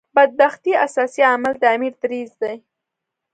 بدبختۍ اساسي عامل د امیر دریځ دی.